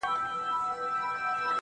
په دې سړي هم چې پېدا شو نو يار ډزې کېدې